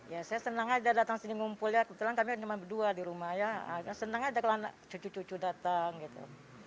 ya saya senang aja datang sini ngumpul ya kebetulan kami cuma berdua di rumah ya senang aja kalau cucu cucu datang gitu